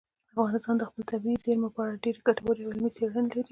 افغانستان د خپلو طبیعي زیرمو په اړه ډېرې ګټورې او علمي څېړنې لري.